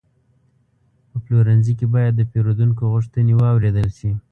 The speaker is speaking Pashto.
په پلورنځي کې باید د پیرودونکو غوښتنې واورېدل شي.